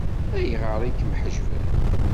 Ayɣer i kem-ḥeǧben?